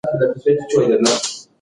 تاسو باید تل د حق او حقیقت ملاتړ وکړئ.